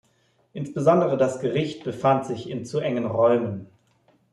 Insbesondere das Gericht befand sich in zu engen Räumen.